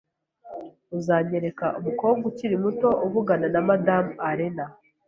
Uzanyereka umukobwa ukiri muto uvugana na Madamu Allen?